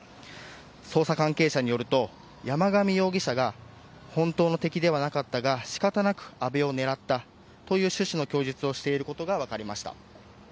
捜査関係者によると山上容疑者が本当の敵ではなかったが仕方なく安倍を狙ったという趣旨の供述をしていることが分かりました。